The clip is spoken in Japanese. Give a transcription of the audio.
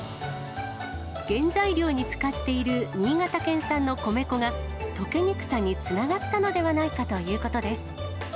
原材料に使っている新潟県産の米粉が、溶けにくさにつながったのではないかということです。